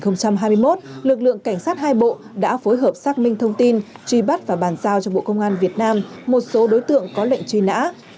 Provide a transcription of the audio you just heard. năm hai nghìn hai mươi một lực lượng cảnh sát hai bộ đã phối hợp xác minh thông tin truy bắt và bàn giao cho bộ công an việt nam một số đối tượng có lệnh truy nã